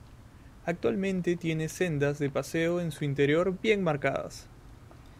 Actualmente tiene sendas de paseo en su interior bien marcadas.